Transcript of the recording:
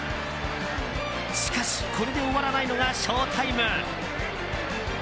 しかし、これで終わらないのがショウタイム。